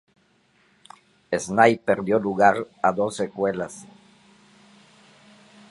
Sniper dio lugar a dos secuelas.